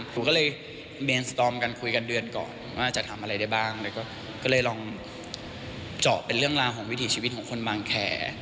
ครูก็เลยเรียนสตอมกันคุยกันเดือนก่อนว่าจะทำอะไรได้บ้างเลยก็เลยลองเจาะเป็นเรื่องราวของวิถีชีวิตของคนบางแคร์